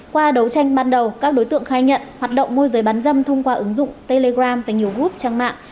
qua đấu tranh ban đầu các đối tượng khai nhận hoạt động môi giới bán dâm thông qua ứng dụng telegram và nhiều group trang mạng